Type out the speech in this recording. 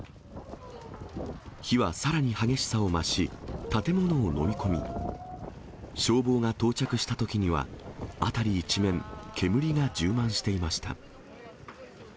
火はさらに激しさを増し、建物を飲み込み、消防が到着したときには辺り一面、煙が充満していました。